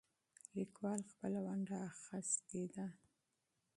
لیکوال خپله ونډه اخیستې ده.